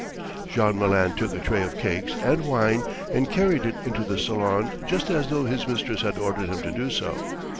Jean Malin took a tray of cakes and wine and carried it into the salon just as though his mistress had ordered him to do so.